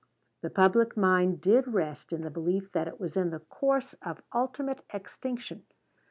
The public mind did rest in the belief that it was in the course of ultimate extinction.